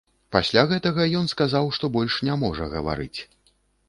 Пасля гэтага ён сказаў, што больш не можа гаварыць.